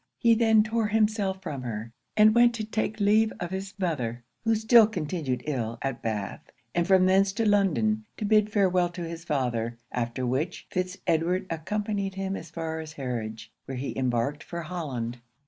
He then tore himself from her, and went to take leave of his mother, who still continued ill at Bath; and from thence to London, to bid farewel to his father; after which, Fitz Edward accompanied him as far as Harwich, where he embarked for Holland.